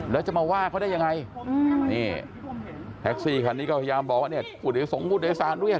แล้วจะมาว่าเขาได้อย่างไร